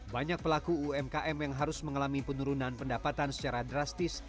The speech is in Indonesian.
banyak pelaku umkm yang harus mengalami penurunan pendapatan secara drastis